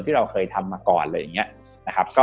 ที่เราเคยทำมาก่อนอะไรอย่างนี้นะครับ